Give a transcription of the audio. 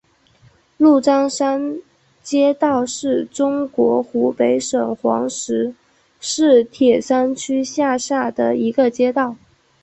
鹿獐山街道是中国湖北省黄石市铁山区下辖的一个街道。